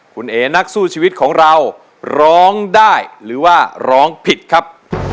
คุณเอ๋นักสู้ชีวิตของเราร้องได้หรือว่าร้องผิดครับ